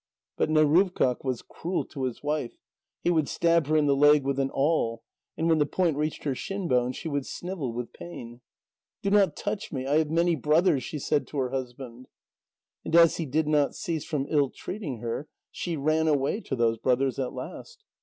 But Neruvkâq was cruel to his wife; he would stab her in the leg with an awl, and when the point reached her shinbone, she would snivel with pain. "Do not touch me; I have many brothers," she said to her husband. And as he did not cease from ill treating her, she ran away to those brothers at last.